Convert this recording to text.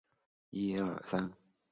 作弊者被人告发治罪。